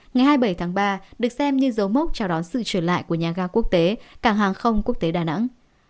ngày hai mươi bảy tháng ba được xem như dấu mốc chào đón sự trở lại của nhà ga quốc tế cảng hàng không quốc tế đà nẵng